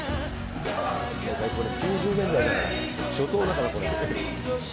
これ、９０年代だから、初頭だから。